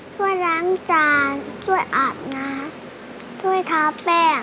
ช่วยดำจานช่วยอาบนักช่วยท้อแป้ง